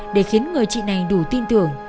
để khiến người chị này đủ tin tưởng